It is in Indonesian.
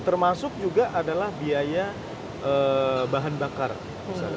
termasuk juga adalah biaya bahan bakar misalnya